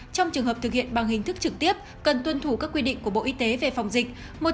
trong trường hợp thực hiện bằng hình thức trực tiếp cần tuân thủ các quy định của bộ y tế về phòng dịch